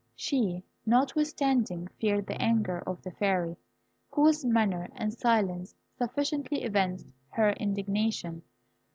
She, notwithstanding, feared the anger of the Fairy, whose manner and silence sufficiently evinced her indignation.